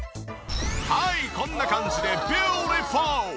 はいこんな感じでビューティフォー！